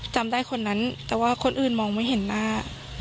จำได้คนนั้นแต่ว่าคนอื่นมองไม่เห็นหน้า